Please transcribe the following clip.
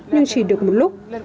nhưng chỉ được một lúc